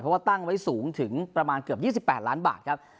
เพราะว่าตั้งไว้สูงถึงประมาณเกือบ๒๘ล้านบาทครับ